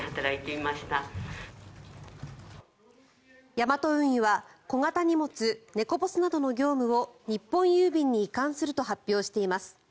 ヤマト運輸は小型荷物ネコポスなどの業務を日本郵便に移管すると発表しています。